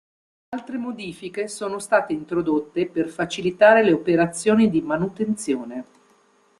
Altre modifiche sono state introdotte per facilitare le operazioni di manutenzione.